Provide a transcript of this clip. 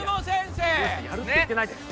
いやいややるって言ってないです